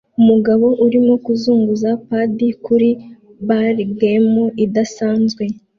Umugabo arimo kuzunguza padi kuri ballgame idasanzwe